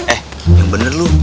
eh yang bener lu